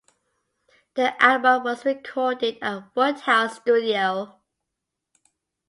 The album was recorded at Woodhouse Studio.